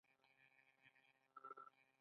د ویالو پاکول په ګډه کیږي.